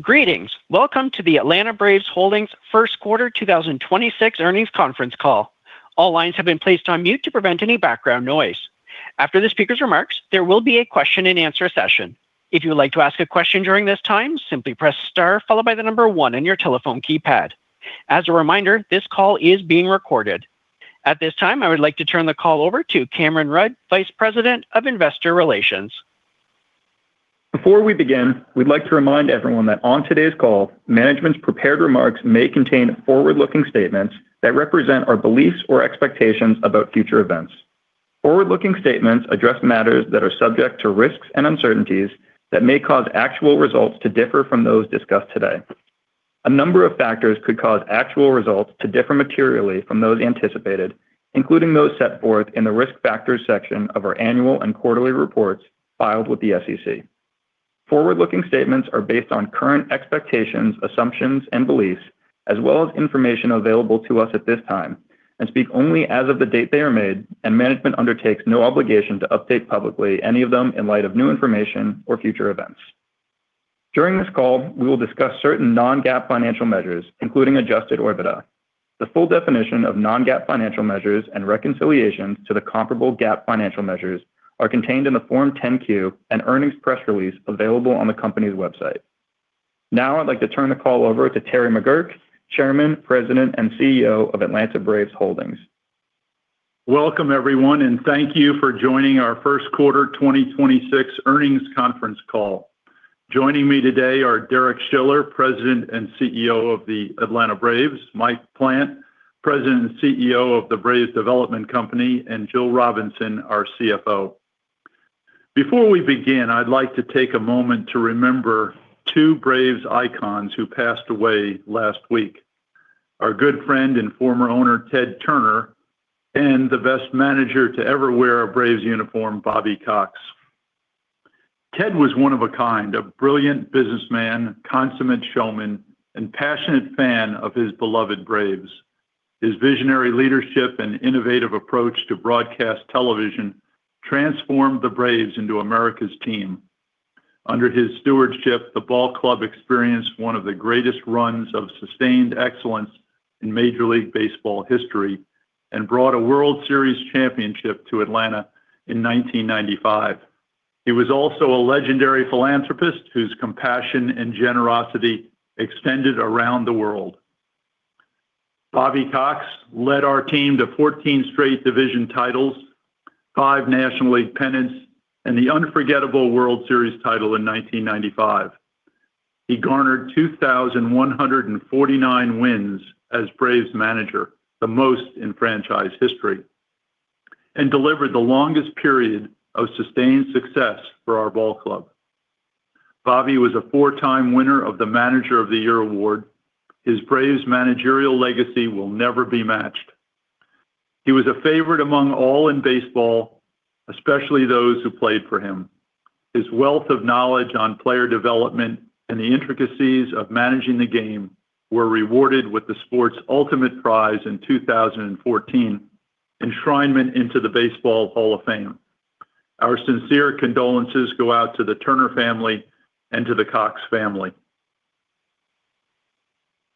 Greetings. Welcome to the Atlanta Braves Holdings First Quarter 2026 earnings conference call. All lines have been placed on mute to prevent any background noise. After the speaker's remarks, there will be a question-and-answer session. If you would like to ask a question during this time, simply press star followed by the number one on your telephone keypad. As a reminder, this call is being recorded. At this time, I would like to turn the call over to Cameron Rudd, Vice President of Investor Relations. Before we begin, we'd like to remind everyone that on today's call, management's prepared remarks may contain forward-looking statements that represent our beliefs or expectations about future events. Forward-looking statements address matters that are subject to risks and uncertainties that may cause actual results to differ from those discussed today. A number of factors could cause actual results to differ materially from those anticipated, including those set forth in the Risk Factors section of our annual and quarterly reports filed with the SEC. Forward-looking statements are based on current expectations, assumptions, and beliefs, as well as information available to us at this time, and speak only as of the date they are made, and management undertakes no obligation to update publicly any of them in light of new information or future events. During this call, we will discuss certain non-GAAP financial measures, including adjusted OIBDA. The full definition of non-GAAP financial measures and reconciliations to the comparable GAAP financial measures are contained in the Form 10-Q and earnings press release available on the company's website. Now I'd like to turn the call over to Terry McGuirk, Chairman, President, and CEO of Atlanta Braves Holdings. Welcome, everyone, and thank you for joining our first quarter 2026 earnings conference call. Joining me today are Derek Schiller, President and CEO of the Atlanta Braves, Mike Plant, President and CEO of the Braves Development Company, and Jill Robinson, our CFO. Before we begin, I'd like to take a moment to remember two Braves icons who passed away last week, our good friend and former owner, Ted Turner, and the best manager to ever wear a Braves uniform, Bobby Cox. Ted was one of a kind, a brilliant businessman, consummate showman, and passionate fan of his beloved Braves. His visionary leadership and innovative approach to broadcast television transformed the Braves into America's team. Under his stewardship, the ball club experienced one of the greatest runs of sustained excellence in Major League Baseball history and brought a World Series championship to Atlanta in 1995. He was also a legendary philanthropist whose compassion and generosity extended around the world. Bobby Cox led our team to 14 straight division titles, five National League pennants, and the unforgettable World Series title in 1995. He garnered 2,149 wins as Braves manager, the most in franchise history, and delivered the longest period of sustained success for our ball club. Bobby was a four-time winner of the Manager of the Year award. His Braves managerial legacy will never be matched. He was a favorite among all in baseball, especially those who played for him. His wealth of knowledge on player development and the intricacies of managing the game were rewarded with the sport's ultimate prize in 2014, enshrinement into the Baseball Hall of Fame. Our sincere condolences go out to the Turner family and to the Cox family.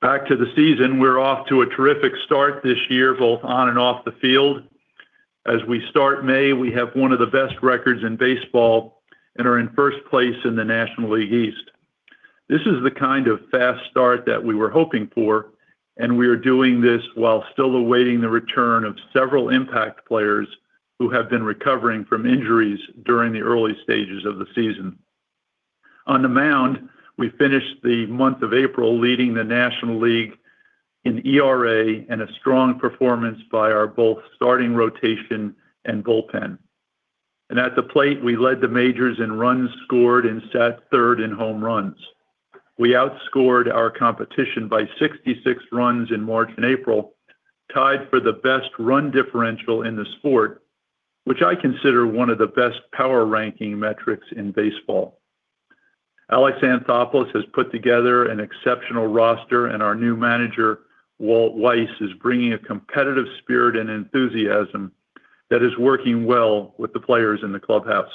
Back to the season, we're off to a terrific start this year, both on and off the field. As we start May, we have one of the best records in baseball and are in first place in the National League East. This is the kind of fast start that we were hoping for. We are doing this while still awaiting the return of several impact players who have been recovering from injuries during the early stages of the season. On the mound, we finished the month of April leading the National League in ERA and a strong performance by our both starting rotation and bullpen. At the plate, we led the majors in runs scored and sat third in home runs. We outscored our competition by 66 runs in March and April, tied for the best run differential in the sport, which I consider one of the best power ranking metrics in baseball. Alex Anthopoulos has put together an exceptional roster, and our new Manager, Walt Weiss, is bringing a competitive spirit and enthusiasm that is working well with the players in the clubhouse.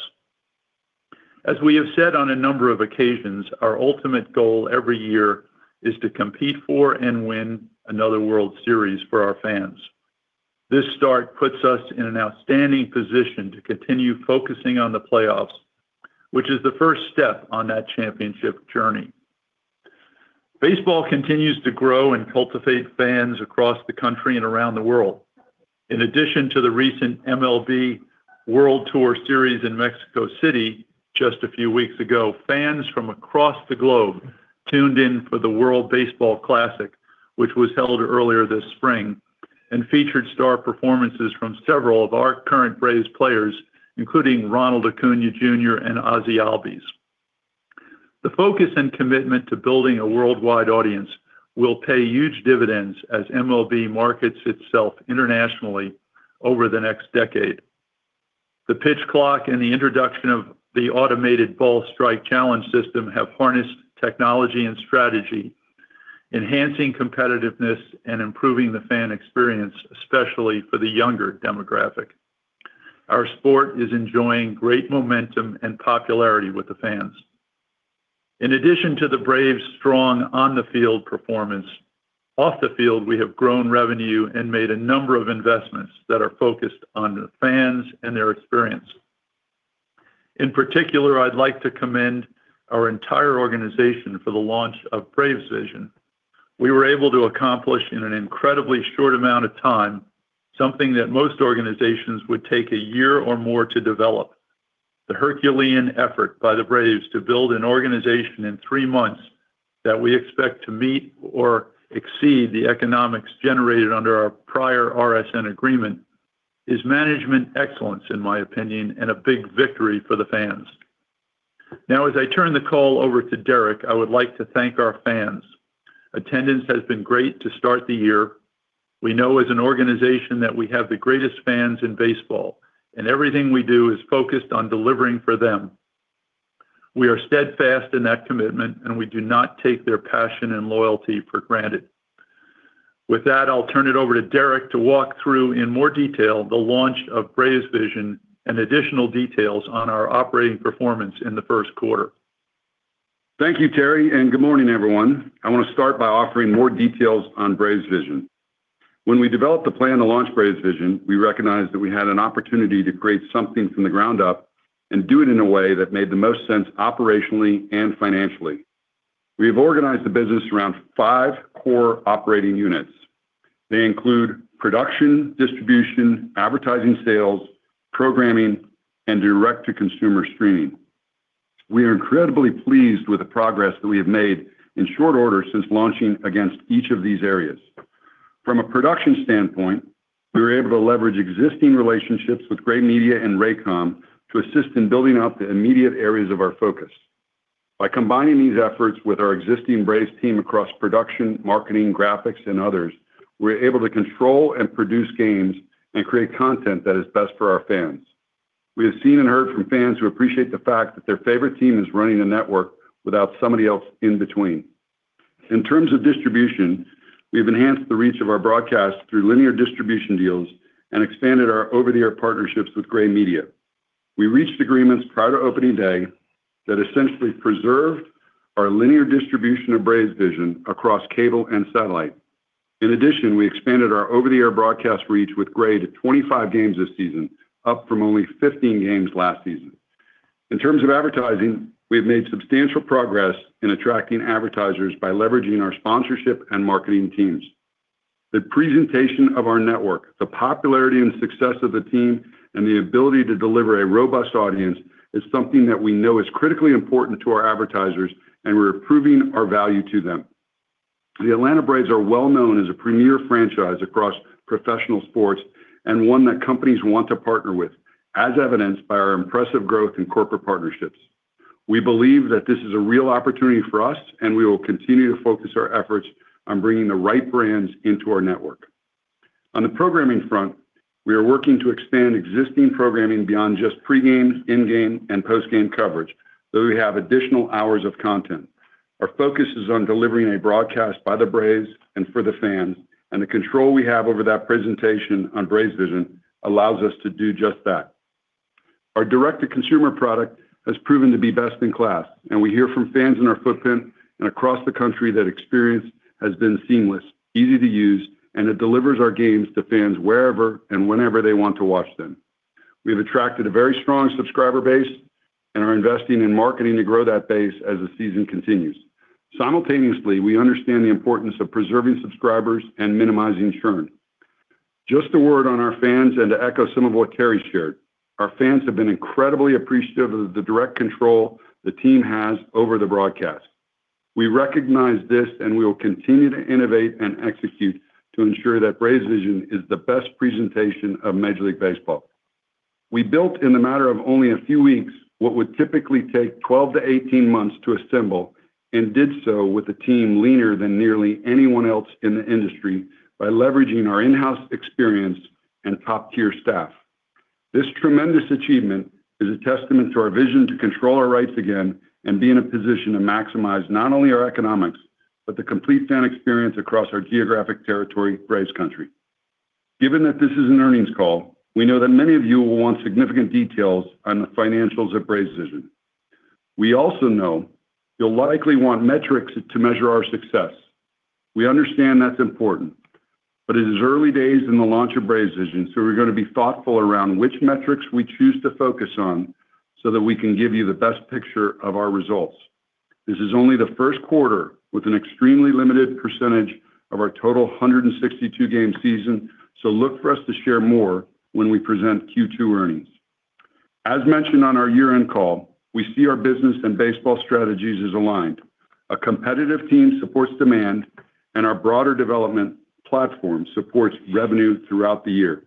As we have said on a number of occasions, our ultimate goal every year is to compete for and win another World Series for our fans. This start puts us in an outstanding position to continue focusing on the playoffs, which is the first step on that championship journey. Baseball continues to grow and cultivate fans across the country and around the world. In addition to the recent MLB World Tour series in Mexico City just a few weeks ago, fans from across the globe tuned in for the World Baseball Classic, which was held earlier this spring and featured star performances from several of our current Braves players, including Ronald Acuña Jr. and Ozzie Albies. The focus and commitment to building a worldwide audience will pay huge dividends as MLB markets itself internationally over the next decade. The pitch clock and the introduction of the automated ball-strike challenge system have harnessed technology and strategy, enhancing competitiveness and improving the fan experience, especially for the younger demographic. Our sport is enjoying great momentum and popularity with the fans. In addition to the Braves' strong on-the-field performance, off the field, we have grown revenue and made a number of investments that are focused on the fans and their experience. In particular, I'd like to commend our entire organization for the launch of BravesVision. We were able to accomplish in an incredibly short amount of time something that most organizations would take a year or more to develop. The Herculean effort by the Braves to build an organization in three months that we expect to meet or exceed the economics generated under our prior RSN agreement is management excellence, in my opinion, and a big victory for the fans. As I turn the call over to Derek, I would like to thank our fans. Attendance has been great to start the year. We know as an organization that we have the greatest fans in baseball, and everything we do is focused on delivering for them. We are steadfast in that commitment, and we do not take their passion and loyalty for granted. With that, I'll turn it over to Derek to walk through in more detail the launch of BravesVision and additional details on our operating performance in the first quarter. Thank you, Terry. Good morning, everyone. I wanna start by offering more details on BravesVision. When we developed the plan to launch BravesVision, we recognized that we had an opportunity to create something from the ground up and do it in a way that made the most sense operationally and financially. We have organized the business around five core operating units. They include production, distribution, advertising sales, programming, and direct-to-consumer streaming. We are incredibly pleased with the progress that we have made in short order since launching against each of these areas. From a production standpoint, we were able to leverage existing relationships with Gray Media and Raycom to assist in building out the immediate areas of our focus. By combining these efforts with our existing Braves team across production, marketing, graphics, and others, we're able to control and produce games and create content that is best for our fans. We have seen and heard from fans who appreciate the fact that their favorite team is running a network without somebody else in between. In terms of distribution, we've enhanced the reach of our broadcast through linear distribution deals and expanded our over-the-air partnerships with Gray Media. We reached agreements prior to opening day that essentially preserved our linear distribution of BravesVision across cable and satellite. In addition, we expanded our over-the-air broadcast reach with Gray to 25 games this season, up from only 15 games last season. In terms of advertising, we have made substantial progress in attracting advertisers by leveraging our sponsorship and marketing teams. The presentation of our network, the popularity and success of the team, and the ability to deliver a robust audience is something that we know is critically important to our advertisers, and we're proving our value to them. The Atlanta Braves are well known as a premier franchise across professional sports and one that companies want to partner with, as evidenced by our impressive growth in corporate partnerships. We believe that this is a real opportunity for us. We will continue to focus our efforts on bringing the right brands into our network. On the programming front, we are working to expand existing programming beyond just pre-game, in-game, and post-game coverage, though we have additional hours of content. Our focus is on delivering a broadcast by the Braves and for the fans. The control we have over that presentation on BravesVision allows us to do just that. Our direct-to-consumer product has proven to be best in class, we hear from fans in our footprint and across the country that experience has been seamless, easy to use, and it delivers our games to fans wherever and whenever they want to watch them. We have attracted a very strong subscriber base and are investing in marketing to grow that base as the season continues. Simultaneously, we understand the importance of preserving subscribers and minimizing churn. Just a word on our fans and to echo some of what Terry shared. Our fans have been incredibly appreciative of the direct control the team has over the broadcast. We recognize this, we will continue to innovate and execute to ensure that BravesVision is the best presentation of Major League Baseball. We built in the matter of only a few weeks what would typically take 12-18 months to assemble and did so with a team leaner than nearly anyone else in the industry by leveraging our in-house experience and top-tier staff. This tremendous achievement is a testament to our vision to control our rights again and be in a position to maximize not only our economics, but the complete fan experience across our geographic territory, Braves Country. Given that this is an earnings call, we know that many of you will want significant details on the financials of BravesVision. We also know you'll likely want metrics to measure our success. We understand that's important, but it is early days in the launch of BravesVision, so we're going to be thoughtful around which metrics we choose to focus on so that we can give you the best picture of our results. This is only the first quarter with an extremely limited percentage of our total 162 game season, so look for us to share more when we present Q2 earnings. As mentioned on our year-end call, we see our business and baseball strategies as aligned. A competitive team supports demand, and our broader development platform supports revenue throughout the year.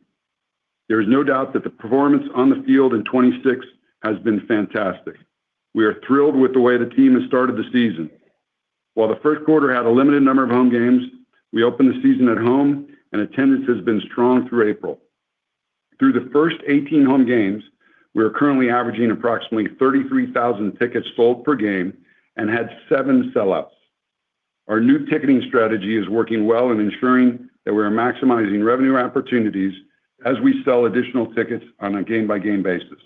There is no doubt that the performance on the field in 2026 has been fantastic. We are thrilled with the way the team has started the season. While the first quarter had a limited number of home games, we opened the season at home, and attendance has been strong through April. Through the first 18 home games, we are currently averaging approximately 33,000 tickets sold per game and had seven sellouts. Our new ticketing strategy is working well in ensuring that we are maximizing revenue opportunities as we sell additional tickets on a game-by-game basis.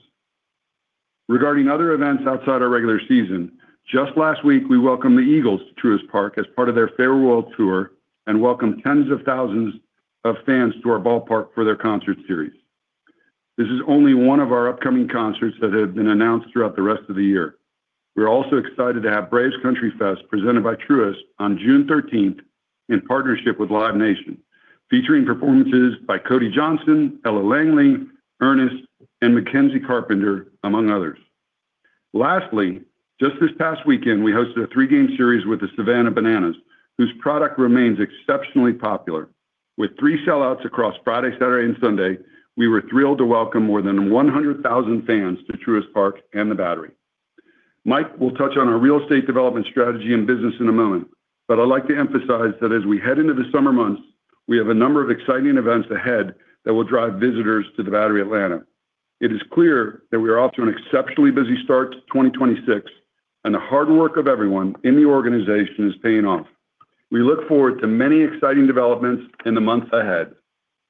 Regarding other events outside our regular season, just last week we welcomed the Eagles to Truist Park as part of their farewell tour and welcomed tens of thousands of fans to our ballpark for their concert series. This is only one of our upcoming concerts that have been announced throughout the rest of the year. We're also excited to have Braves Country Fest presented by Truist on June 13th in partnership with Live Nation, featuring performances by Cody Johnson, Ella Langley, ERNEST, and MacKenzie Carpenter, among others. Lastly, just this past weekend, we hosted a three-game series with the Savannah Bananas, whose product remains exceptionally popular. With three sellouts across Friday, Saturday, and Sunday, we were thrilled to welcome more than 100,000 fans to Truist Park and the Battery. Mike will touch on our real estate development strategy and business in a moment, but I'd like to emphasize that as we head into the summer months, we have a number of exciting events ahead that will drive visitors to The Battery Atlanta. It is clear that we are off to an exceptionally busy start to 2026, and the hard work of everyone in the organization is paying off. We look forward to many exciting developments in the months ahead.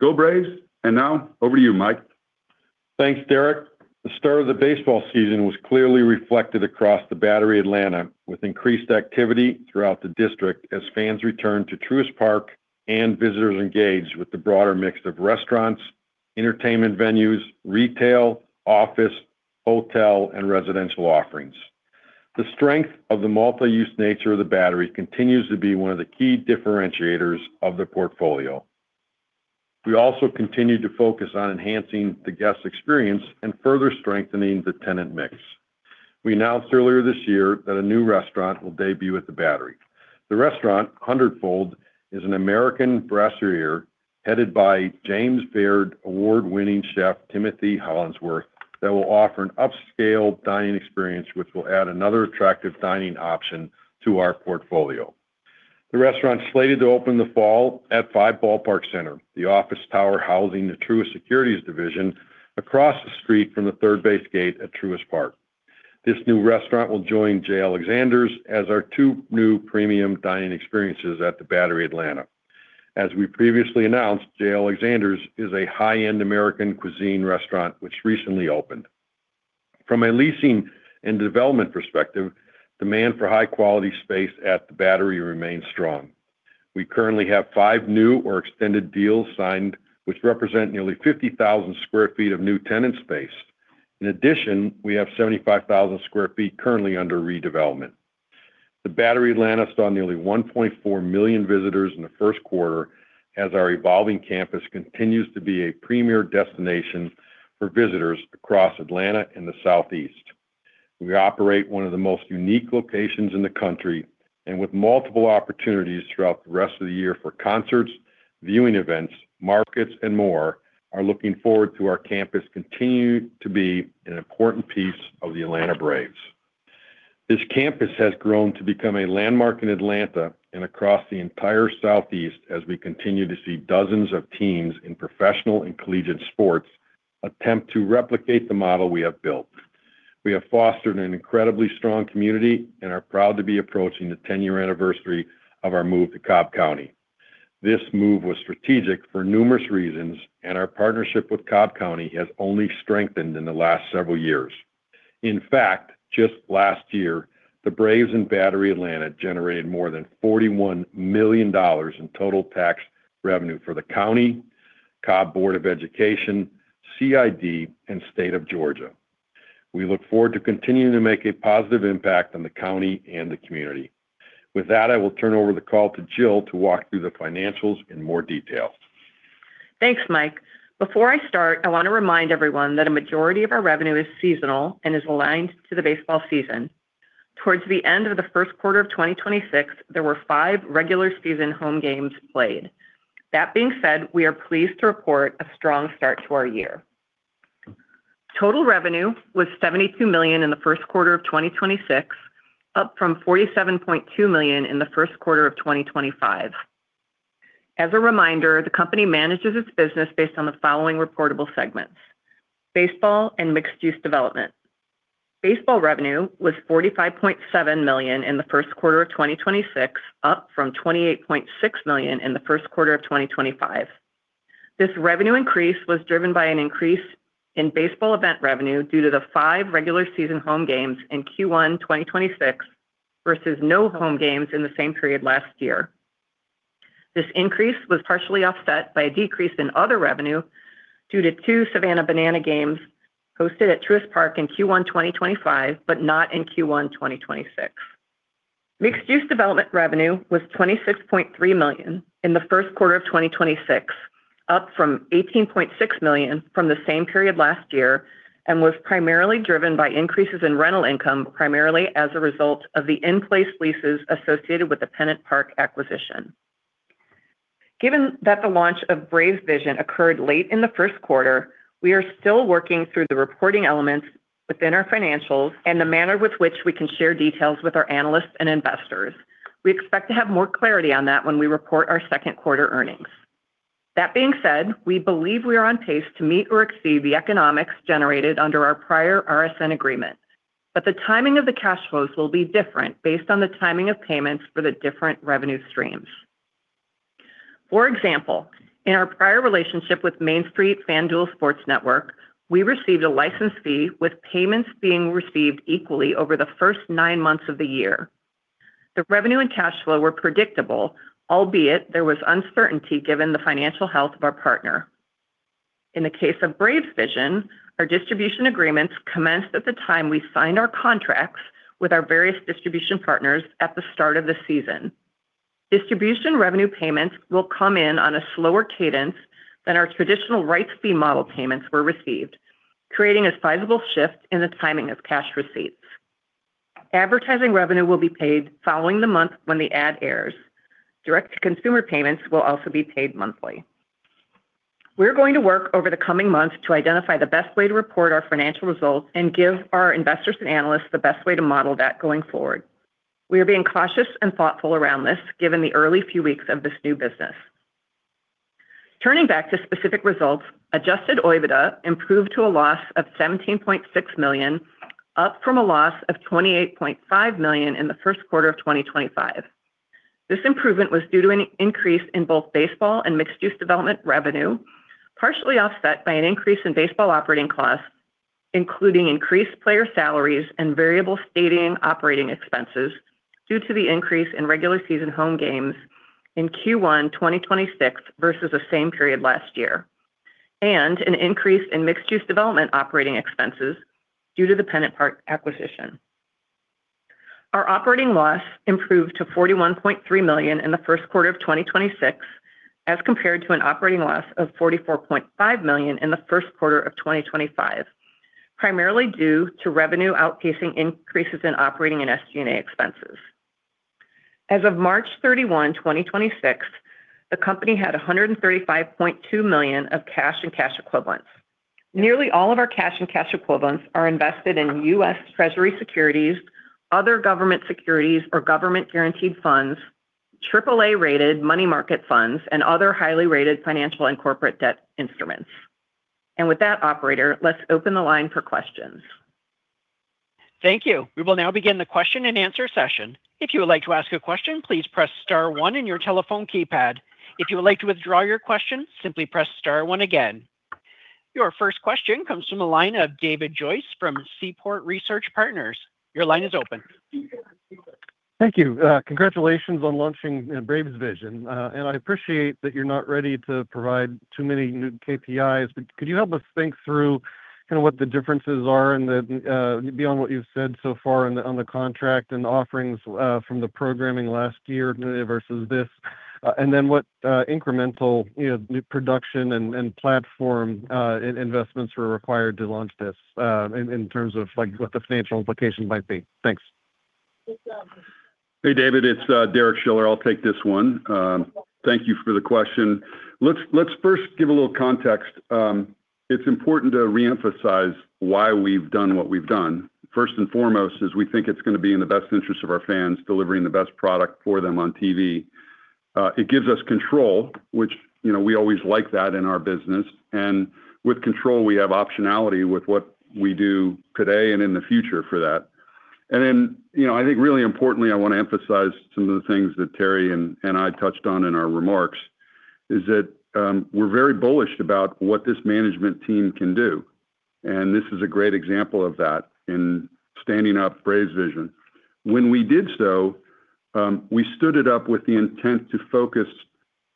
Go Braves. Now over to you, Mike. Thanks, Derek. The start of the baseball season was clearly reflected across The Battery Atlanta with increased activity throughout the district as fans returned to Truist Park and visitors engaged with the broader mix of restaurants, entertainment venues, retail, office, hotel, and residential offerings. The strength of the multi-use nature of The Battery continues to be one of the key differentiators of the portfolio. We also continue to focus on enhancing the guest experience and further strengthening the tenant mix. We announced earlier this year that a new restaurant will debut at The Battery. The restaurant, Hundredfold, is an American brasserie headed by James Beard award-winning chef, Timothy Hollingsworth that will offer an upscale dining experience, which will add another attractive dining option to our portfolio. The restaurant's slated to open in the fall at Five Ballpark Center, the office tower housing the Truist Securities Division across the street from the third base gate at Truist Park. This new restaurant will join J. Alexander's as our two new premium dining experiences at The Battery Atlanta. As we previously announced, J. Alexander's is a high-end American cuisine restaurant which recently opened. From a leasing and development perspective, demand for high-quality space at The Battery remains strong. We currently have five new or extended deals signed, which represent nearly 50,000 sq ft of new tenant space. In addition, we have 75,000 sq ft currently under redevelopment. The Battery Atlanta saw nearly 1.4 million visitors in the first quarter as our evolving campus continues to be a premier destination for visitors across Atlanta and the Southeast. We operate one of the most unique locations in the country, with multiple opportunities throughout the rest of the year for concerts, viewing events, markets, and more, are looking forward to our campus continuing to be an important piece of the Atlanta Braves. This campus has grown to become a landmark in Atlanta and across the entire Southeast as we continue to see dozens of teams in professional and collegiate sports attempt to replicate the model we have built. We have fostered an incredibly strong community and are proud to be approaching the 10-year anniversary of our move to Cobb County. This move was strategic for numerous reasons, our partnership with Cobb County has only strengthened in the last several years. In fact, just last year, the Braves and The Battery Atlanta generated more than $41 million in total tax revenue for the county, Cobb County Board of Education, CID, and State of Georgia. We look forward to continuing to make a positive impact on the county and the community. With that, I will turn over the call to Jill to walk through the financials in more detail. Thanks, Mike. Before I start, I want to remind everyone that a majority of our revenue is seasonal and is aligned to the baseball season. Towards the end of the first quarter of 2026, there were five regular season home games played. That being said, we are pleased to report a strong start to our year. Total revenue was $72 million in the first quarter of 2026, up from $47.2 million in the first quarter of 2025. As a reminder, the company manages its business based on the following reportable segments: Baseball and Mixed-Use Development. Baseball revenue was $45.7 million in the first quarter of 2026, up from $28.6 million in the first quarter of 2025. This revenue increase was driven by an increase in baseball event revenue due to the five regular-season home games in Q1 2026 versus no home games in the same period last year. This increase was partially offset by a decrease in other revenue due to two Savannah Bananas games hosted at Truist Park in Q1 2025, but not in Q1 2026. Mixed-Use Development revenue was $26.3 million in the first quarter of 2026, up from $18.6 million from the same period last year, and was primarily driven by increases in rental income, primarily as a result of the in-place leases associated with the Pennant Park acquisition. Given that the launch of BravesVision occurred late in the first quarter, we are still working through the reporting elements within our financials and the manner with which we can share details with our analysts and investors. We expect to have more clarity on that when we report our second quarter earnings. That being said, we believe we are on pace to meet or exceed the economics generated under our prior RSN agreement. The timing of the cash flows will be different based on the timing of payments for the different revenue streams. For example, in our prior relationship with Main Street FanDuel Sports Network, we received a license fee with payments being received equally over the first nine months of the year. The revenue and cash flow were predictable, albeit there was uncertainty given the financial health of our partner. In the case of BravesVision, our distribution agreements commenced at the time we signed our contracts with our various distribution partners at the start of the season. Distribution revenue payments will come in on a slower cadence than our traditional rights fee model payments were received, creating a sizable shift in the timing of cash receipts. Advertising revenue will be paid following the month when the ad airs. Direct-to-consumer payments will also be paid monthly. We're going to work over the coming months to identify the best way to report our financial results and give our investors and analysts the best way to model that going forward. We are being cautious and thoughtful around this given the early few weeks of this new business. Turning back to specific results, adjusted OIBDA improved to a loss of $17.6 million, up from a loss of $28.5 million in the first quarter of 2025. This improvement was due to an increase in both baseball and mixed-use development revenue, partially offset by an increase in baseball operating costs, including increased player salaries and variable stadium operating expenses due to the increase in regular season home games in Q1 2026 versus the same period last year, and an increase in mixed-use development operating expenses due to the Pennant Park acquisition. Our operating loss improved to $41.3 million in the first quarter of 2026 as compared to an operating loss of $44.5 million in the first quarter of 2025, primarily due to revenue outpacing increases in operating and SG&A expenses. As of March 31, 2026, the company had $135.2 million of cash and cash equivalents. Nearly all of our cash and cash equivalents are invested in U.S. Treasury securities, other government securities or government-guaranteed funds, AAA-rated money market funds, and other highly rated financial and corporate debt instruments. With that, operator, let's open the line for questions. Thank you. We will now begin the question-and-answer session. Your first question comes from the line of David Joyce from Seaport Research Partners. Your line is open. Thank you. Congratulations on launching BravesVision. I appreciate that you're not ready to provide too many new KPIs, but could you help us think through kinda what the differences are and beyond what you've said so far on the contract and offerings from the programming last year versus this? What incremental, you know, new production and platform investments were required to launch this in terms of, like, what the financial implications might be? Thanks. Hey, David, it's Derek Schiller. I'll take this one. Thank you for the question. Let's first give a little context. It's important to reemphasize why we've done what we've done. First and foremost is we think it's gonna be in the best interest of our fans, delivering the best product for them on TV. It gives us control, which, you know, we always like that in our business. With control, we have optionality with what we do today and in the future for that. You know, I think really importantly, I wanna emphasize some of the things that Terry and I touched on in our remarks, is that we're very bullish about what this management team can do, and this is a great example of that in standing up BravesVision. When we did so, we stood it up with the intent to focus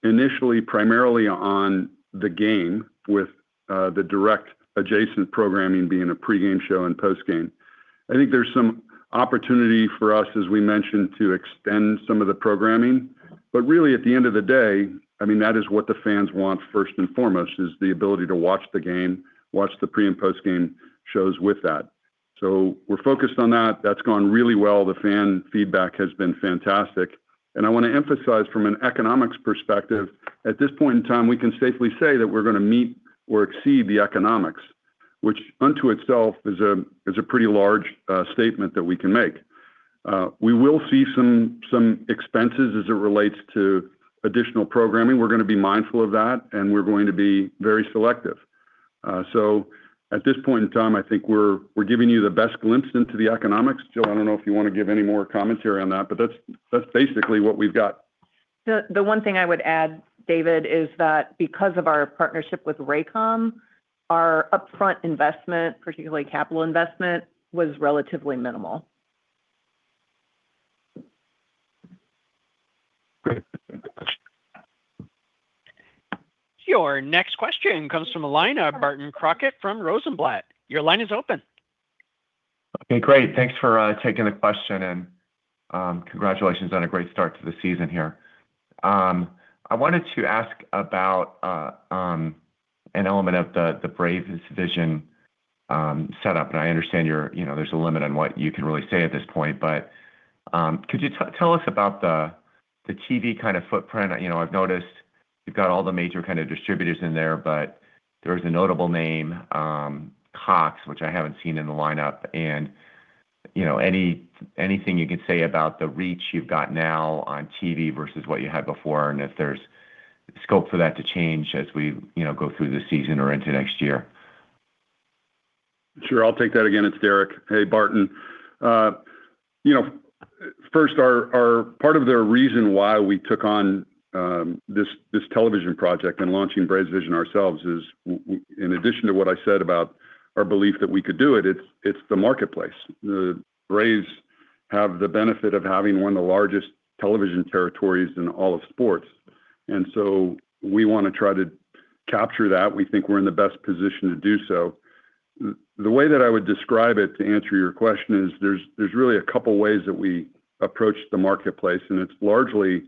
initially primarily on the game with the direct adjacent programming being a pre-game show and post-game. I think there's some opportunity for us, as we mentioned, to extend some of the programming. Really at the end of the day, I mean, that is what the fans want first and foremost, is the ability to watch the game, watch the pre- and post-game shows with that. We're focused on that. That's gone really well. The fan feedback has been fantastic. I wanna emphasize from an economics perspective, at this point in time, we can safely say that we're gonna meet or exceed the economics, which unto itself is a pretty large statement that we can make. We will see some expenses as it relates to additional programming. We're gonna be mindful of that, and we're going to be very selective. At this point in time, I think we're giving you the best glimpse into the economics. Jill, I don't know if you wanna give any more commentary on that, but that's basically what we've got. The one thing I would add, David, is that because of our partnership with Raycom, our upfront investment, particularly capital investment, was relatively minimal. Great. Thank you. Your next question comes from the line of Barton Crockett from Rosenblatt. Your line is open. Okay, great. Thanks for taking the question, and congratulations on a great start to the season here. I wanted to ask about an element of the BravesVision setup, and I understand you know, there's a limit on what you can really say at this point. Could you tell us about the TV kind of footprint? You know, I've noticed you've got all the major kind of distributors in there, but there is a notable name, Cox, which I haven't seen in the lineup. You know, anything you can say about the reach you've got now on TV versus what you had before, and if there's scope for that to change as we, you know, go through the season or into next year. Sure. I'll take that again. It's Derek. Hey, Barton. You know, first, our Part of the reason why we took on this television project and launching BravesVision ourselves is in addition to what I said about our belief that we could do it's the marketplace. The Braves have the benefit of having one of the largest television territories in all of sports. So we wanna try to capture that. We think we're in the best position to do so. The way that I would describe it, to answer your question, is there's really a couple ways that we approach the marketplace, and it's largely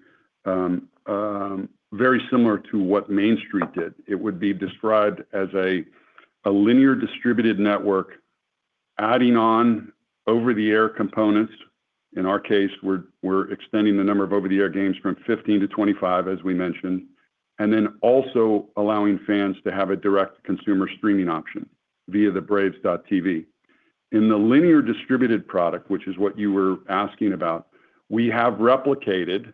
very similar to what Main Street did. It would be described as a linear distributed network adding on over-the-air components. In our case, we're extending the number of over-the-air games from 15-25, as we mentioned, and then also allowing fans to have a direct consumer streaming option via the Braves.TV. In the linear distributed product, which is what you were asking about, we have replicated,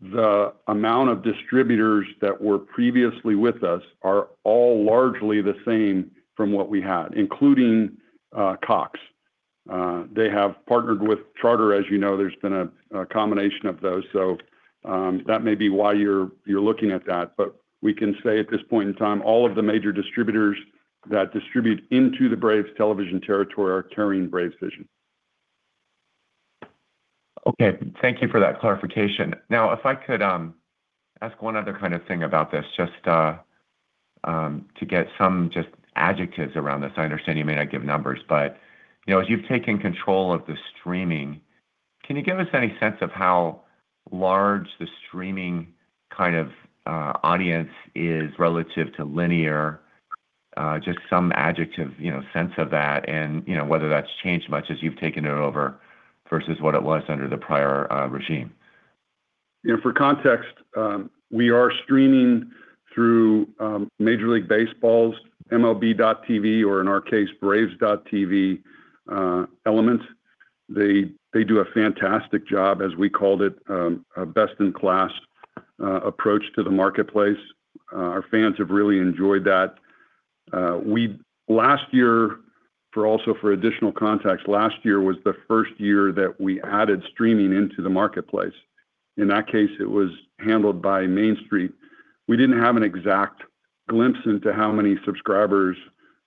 the amount of distributors that were previously with us are all largely the same from what we had, including Cox. They have partnered with Charter Communications. As you know, there's been a combination of those. That may be why you're looking at that. We can say at this point in time, all of the major distributors that distribute into the Braves television territory are carrying BravesVision. Okay. Thank you for that clarification. If I could ask one other kind of thing about this, just to get some just adjectives around this. I understand you may not give numbers, you know, as you've taken control of the streaming, can you give us any sense of how large the streaming kind of audience is relative to linear? Just some adjective, you know, sense of that and, you know, whether that's changed much as you've taken it over versus what it was under the prior regime. Yeah, for context, we are streaming through Major League Baseball's mlb.tv, or in our case, braves.tv, element. They, they do a fantastic job, as we called it, a best-in-class approach to the marketplace. Our fans have really enjoyed that. Last year for additional context, last year was the first year that we added streaming into the marketplace. In that case, it was handled by Main Street. We didn't have an exact glimpse into how many subscribers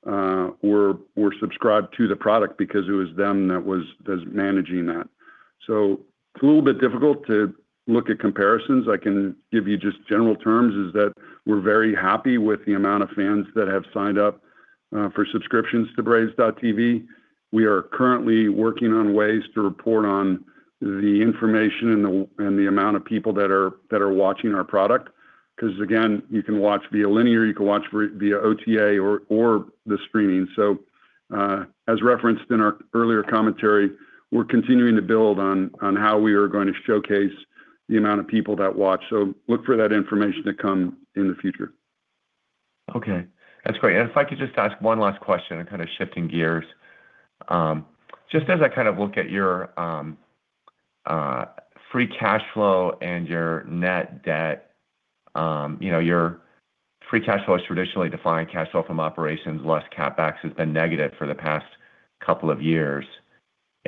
were subscribed to the product because it was them that's managing that. It's a little bit difficult to look at comparisons. I can give you just general terms, is that we're very happy with the amount of fans that have signed up for subscriptions to braves.tv. We are currently working on ways to report on the information and the amount of people that are watching our product, 'cause again, you can watch via linear, you can watch via OTA or the streaming. As referenced in our earlier commentary, we're continuing to build on how we are going to showcase the amount of people that watch. Look for that information to come in the future. Okay. That's great. If I could just ask one last question and kind of shifting gears. Just as I kind of look at your free cash flow and your net debt, you know, your free cash flow is traditionally defined cash flow from operations less CapEx has been negative for the past couple of years,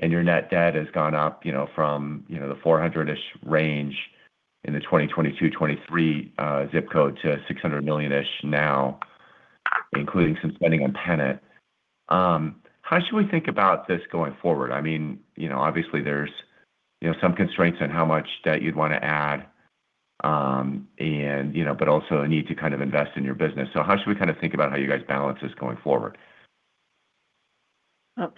and your net debt has gone up, you know, from, you know, the $400-ish range in the 2022, 2023 zip code to $600 million-ish now, including some spending on Pennant. How should we think about this going forward? I mean, you know, obviously there's, you know, some constraints on how much debt you'd wanna add, and you know, but also a need to kind of invest in your business. How should we kind of think about how you guys balance this going forward?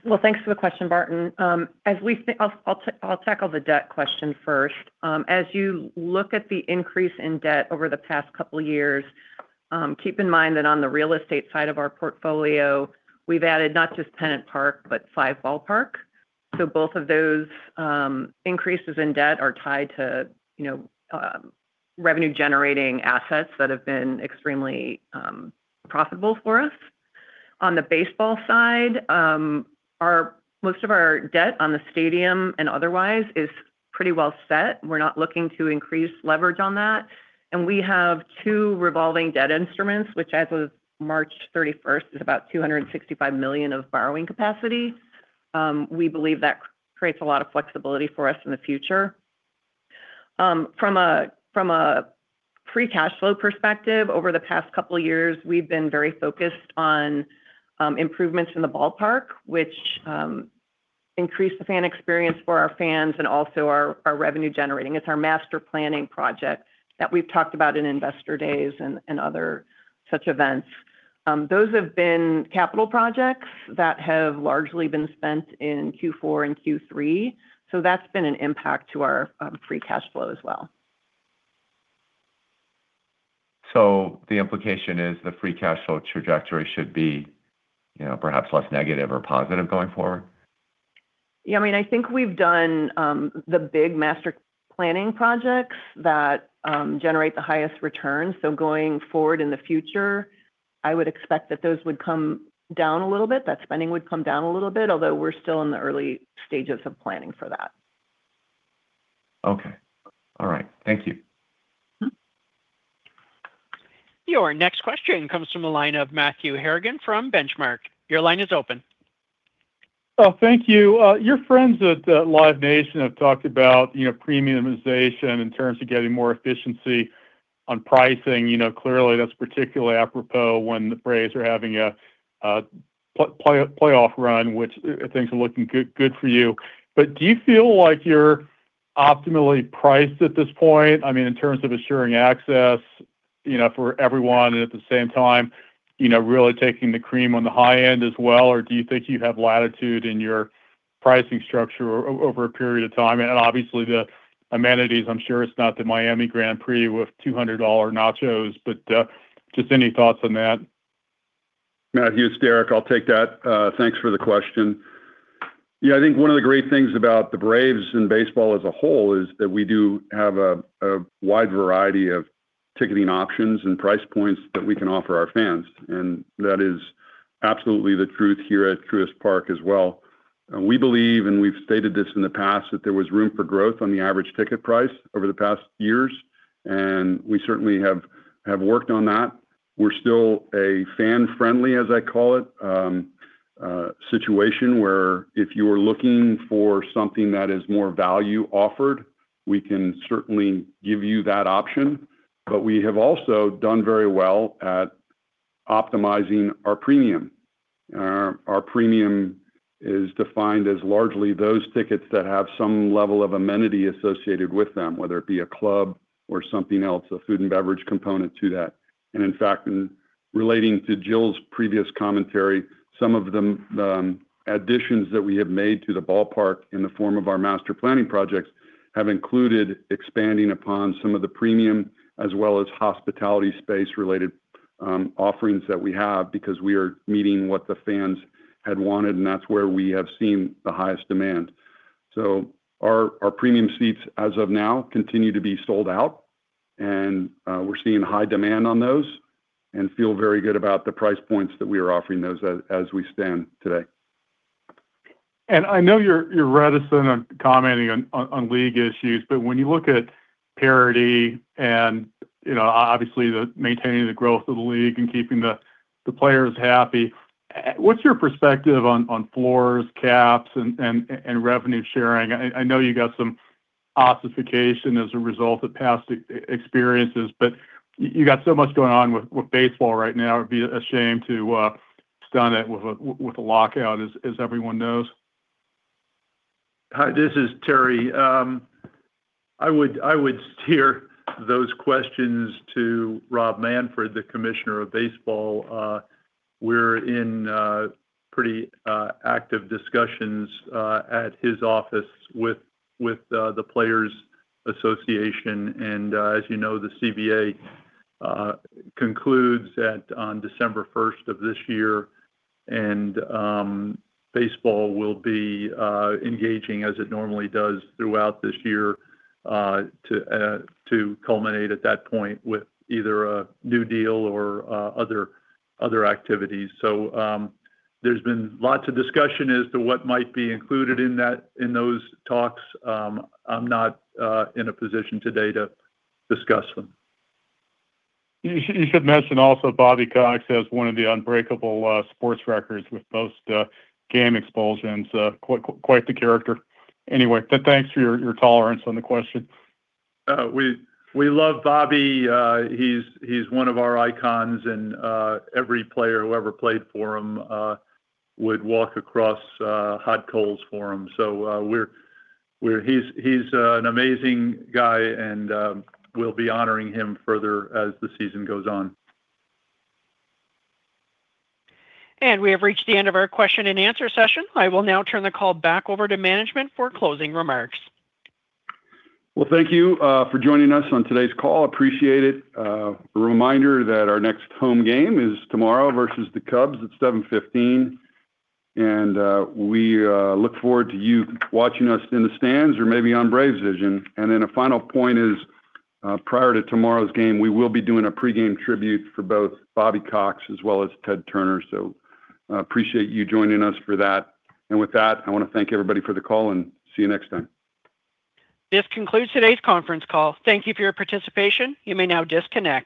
Well, thanks for the question, Barton. I'll tackle the debt question first. As you look at the increase in debt over the past couple years, keep in mind that on the real estate side of our portfolio, we've added not just Pennant Park but Five Ballpark. Both of those increases in debt are tied to, you know, revenue-generating assets that have been extremely profitable for us. On the baseball side, most of our debt on the stadium and otherwise is pretty well set. We're not looking to increase leverage on that. We have two revolving debt instruments, which as of March 31st is about $265 million of borrowing capacity. We believe that creates a lot of flexibility for us in the future. From a free cash flow perspective, over the past couple years, we've been very focused on improvements in the ballpark, which increase the fan experience for our fans and also our revenue-generating. It's our master planning project that we've talked about in investor days and other such events. Those have been capital projects that have largely been spent in Q4 and Q3. That's been an impact to our free cash flow as well. The implication is the free cash flow trajectory should be, you know, perhaps less negative or positive going forward? I mean, I think we've done the big master planning projects that generate the highest returns. Going forward in the future I would expect that those would come down a little bit, that spending would come down a little bit, although we're still in the early stages of planning for that. Okay. All right. Thank you. Your next question comes from the line of Matthew Harrigan from Benchmark. Thank you. Your friends at Live Nation have talked about, you know, premiumization in terms of getting more efficiency on pricing. You know, clearly, that's particularly apropos when the Braves are having a playoff run, which things are looking good for you. Do you feel like you're optimally priced at this point, I mean, in terms of assuring access, you know, for everyone, and at the same time, you know, really taking the cream on the high end as well? Do you think you have latitude in your pricing structure over a period of time? Obviously, the amenities, I'm sure it's not the Miami Grand Prix with $200 nachos, but just any thoughts on that? Matthew, it's Derek. I'll take that. Thanks for the question. I think one of the great things about the Braves and baseball as a whole is that we do have a wide variety of ticketing options and price points that we can offer our fans, and that is absolutely the truth here at Truist Park as well. We believe, and we've stated this in the past, that there was room for growth on the average ticket price over the past years, and we certainly have worked on that. We're still a fan-friendly, as I call it, situation where if you are looking for something that is more value offered, we can certainly give you that option. We have also done very well at optimizing our premium. Our premium is defined as largely those tickets that have some level of amenity associated with them, whether it be a club or something else, a food and beverage component to that. In fact, in relating to Jill's previous commentary, some of the additions that we have made to the ballpark in the form of our master planning projects have included expanding upon some of the premium as well as hospitality space related offerings that we have because we are meeting what the fans had wanted, and that's where we have seen the highest demand. Our premium seats as of now continue to be sold out, and we're seeing high demand on those and feel very good about the price points that we are offering those as we stand today. I know you're reticent on commenting on league issues, but when you look at parity and, you know, obviously, maintaining the growth of the league and keeping the players happy, what's your perspective on floors, caps and revenue sharing? I know you got some ossification as a result of past experiences, but you got so much going on with baseball right now it'd be a shame to stun it with a lockout, as everyone knows. Hi, this is Terry. I would steer those questions to Rob Manfred, the Commissioner of Baseball. We're in pretty active discussions at his office with the Players Association. As you know, the CBA concludes on December 1st of this year, and Baseball will be engaging as it normally does throughout this year to culminate at that point with either a new deal or other activities. There's been lots of discussion as to what might be included in those talks. I'm not in a position today to discuss them. You should mention also Bobby Cox has one of the unbreakable sports records with most game expulsions. Quite the character. Anyway, thanks for your tolerance on the question. We love Bobby. He's one of our icons, and every player who ever played for him would walk across hot coals for him. He's an amazing guy, and we'll be honoring him further as the season goes on. We have reached the end of our question-and-answer session. I will now turn the call back over to management for closing remarks. Well, thank you for joining us on today's call. Appreciate it. A reminder that our next home game is tomorrow versus the Cubs. It's 7:15. We look forward to you watching us in the stands or maybe on BravesVision. A final point is, prior to tomorrow's game, we will be doing a pregame tribute for both Bobby Cox as well as Ted Turner. Appreciate you joining us for that. I wanna thank everybody for the call and see you next time. This concludes today's conference call. Thank you for your participation. You may now disconnect.